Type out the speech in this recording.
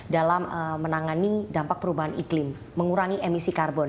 dalam menangani dampak perubahan iklim mengurangi emisi karbon